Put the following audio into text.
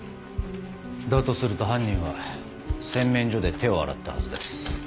だとすると犯人は洗面所で手を洗ったはずです。